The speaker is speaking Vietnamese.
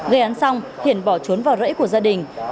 gây án xong hiển bỏ trốn vào rẫy của gia đình